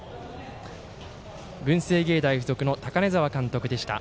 文星芸大付属の高根澤監督でした。